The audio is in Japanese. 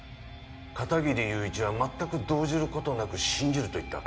片切友一は全く動じる事なく信じると言った。